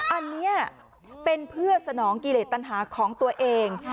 อันนี้เป็นเพื่อสนองกิเลสตัญหาของตัวเอง